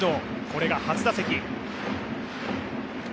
これが初打席。